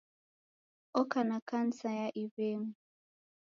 Oka na kansa ya iw'engu.